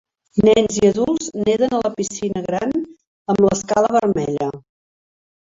Nens i adults neden a la piscina gran amb l'escala vermella.